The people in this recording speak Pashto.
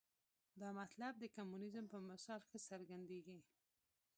دا مطلب د کمونیزم په مثال ښه څرګندېږي.